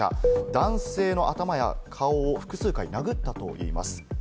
男性の頭や顔を複数回、殴ったといいます。